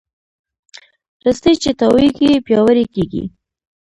رسۍ چې تاوېږي، پیاوړې کېږي.